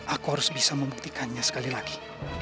aku harus bisa membuktikannya sekali lagi